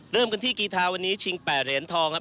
เริ่มกันที่กีธาวันนี้ชิง๘เหรียญทองครับ